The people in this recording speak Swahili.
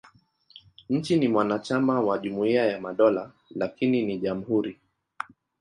Nchi ni mwanachama wa Jumuiya ya Madola, lakini ni jamhuri.